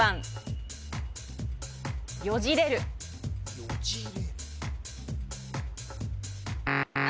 よじれるあっ！